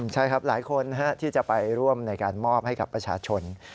ใช่ครับหลายคนที่จะไปร่วมในการมอบให้กับประชาชน